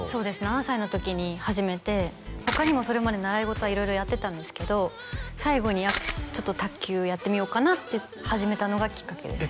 ７歳の時に始めて他にもそれまで習い事は色々やってたんですけど最後にちょっと卓球やってみようかなって始めたのがきっかけです